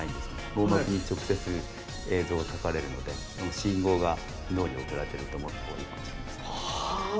網膜に直接映像を描かれるのでその信号が脳に送られてるって思った方がいいかもしれません。